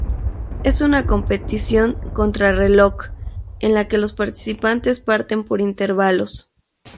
Es una competición contrarreloj, en la que los participantes parten por intervalos.